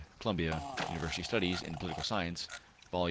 (Columbia University Studies in Political Science, vol.